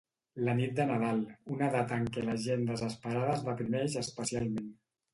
La nit de Nadal, una data en què la gent desesperada es deprimeix especialment.